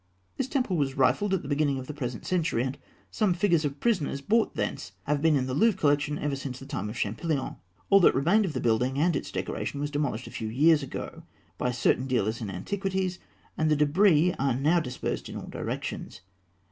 This temple was rifled at the beginning of the present century, and some figures of prisoners brought thence have been in the Louvre collection ever since the time of Champollion. All that remained of the building and its decoration was demolished a few years ago by certain dealers in antiquities, and the débris are now dispersed in all directions.